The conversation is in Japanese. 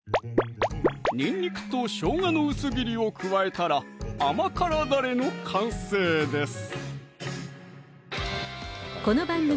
にんにくとしょうがの薄切りを加えたら甘辛ダレの完成です